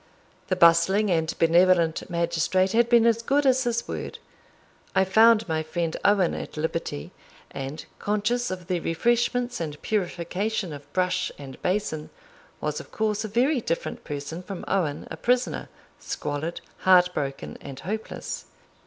The bustling and benevolent magistrate had been as good as his word. I found my friend Owen at liberty, and, conscious of the refreshments and purification of brush and basin, was of course a very different person from Owen a prisoner, squalid, heart broken, and hopeless.